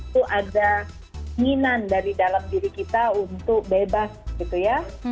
itu ada keinginan dari dalam diri kita untuk bebas gitu ya